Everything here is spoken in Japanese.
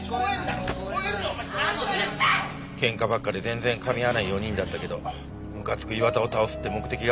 喧嘩ばっかで全然かみ合わない４人だったけどむかつく磐田を倒すって目的があったから